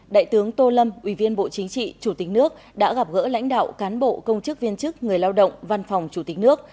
đại tướng tô lâm ủy viên bộ chính trị chủ tịch nước đã gặp gỡ lãnh đạo cán bộ công chức viên chức người lao động văn phòng chủ tịch nước